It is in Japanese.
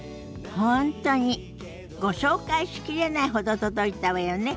本当にご紹介しきれないほど届いたわよね。